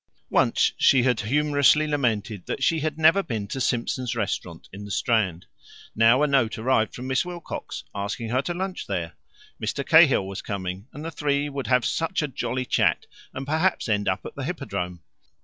Once she had humorously lamented that she had never been to Simpson's restaurant in the Strand. Now a note arrived from Miss Wilcox, asking her to lunch there. Mr. Cahill was coming, and the three would have such a jolly chat, and perhaps end up at the Hippodrome.